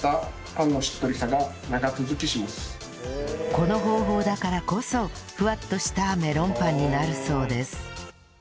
この方法だからこそふわっとしたメロンパンになるそうです